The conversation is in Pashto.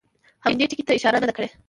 هم دې ټکي ته اشاره نه ده کړې.